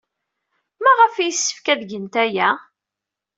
Maɣef ay yessefk ad gent aya?